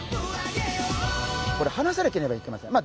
これ放さなければいけません。